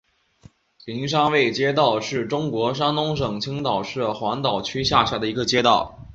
灵山卫街道是中国山东省青岛市黄岛区下辖的一个街道。